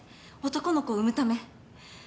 男の子を産むため？